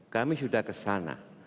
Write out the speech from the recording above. kami sudah kesana